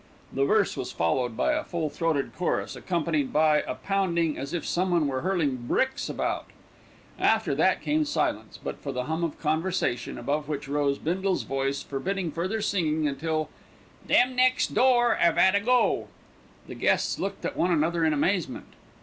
The verse was followed by a full throated chorus, accompanied by a pounding as if someone were hurling bricks about. After that came silence; but for the hum of conversation, above which rose Bindle's voice forbidding further singing until "them next door 'ave 'ad a go." The guests looked at one another in amazement.